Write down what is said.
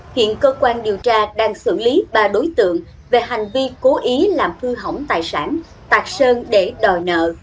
hiện cơ quan điều tra đang xử lý ba đối tượng về hành vi cố ý làm hư hỏng tài sản tạc sơn để đòi nợ